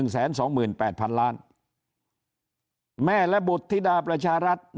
แสนสองหมื่นแปดพันล้านแม่และบุตรธิดาประชารัฐ